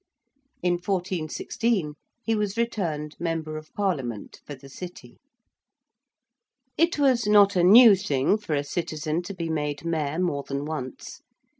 In 1416 he was returned Member of Parliament for the City. It was not a new thing for a citizen to be made Mayor more than once.